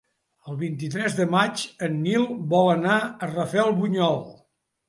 El vint-i-tres de maig en Nil vol anar a Rafelbunyol.